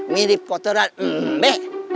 mirip kotoran embek